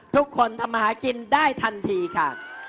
ทุกคนทำมาหากินได้ทันทีค่ะ